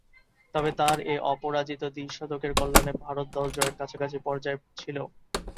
তবে, তার এ অপরাজিত দ্বি-শতকের কল্যাণে ভারত দল জয়ের কাছাকাছি পর্যায়ে ছিল।